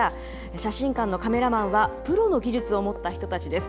写真館のカメラマンは、プロの技術を持った人たちです。